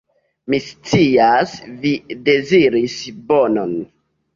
Mi scias, vi deziris bonon.